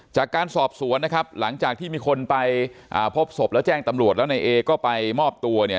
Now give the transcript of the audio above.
จากการสอบสวนนะครับหลังจากที่มีคนไปพบศพแล้วแจ้งตำรวจแล้วนายเอก็ไปมอบตัวเนี่ย